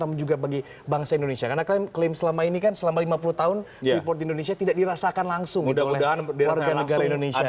namun juga bagi bangsa indonesia karena klaim selama ini kan selama lima puluh tahun freeport indonesia tidak dirasakan langsung gitu oleh warga negara indonesia